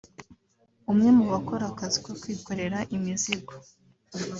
umwe mu bakora akazi ko kwikorera imizigo